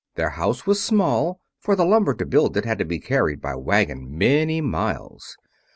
Their house was small, for the lumber to build it had to be carried by wagon many miles.